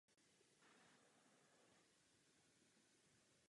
Ztratil se na cestě z Uničova do Šumperka.